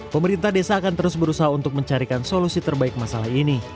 pemerintah desa akan terus berusaha untuk mencarikan solusi terbaik masalah ini